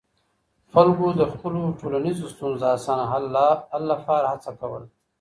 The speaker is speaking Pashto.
خلګو د خپلو ټولنيزو ستونزو د اسانه حل لپاره هڅه کوله.